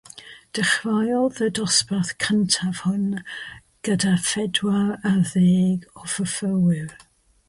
Dechreuodd y dosbarth cyntaf hwn gyda phedwar ar ddeg o fyfyrwyr.